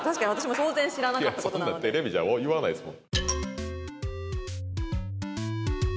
そんなんテレビじゃ言わないっすもん